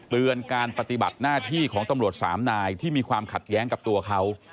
การปฏิบัติหน้าที่ของตำรวจสามนายที่มีความขัดแย้งกับตัวเขา